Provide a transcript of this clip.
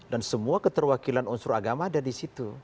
dan semua keterwakilan unsur agama ada di situ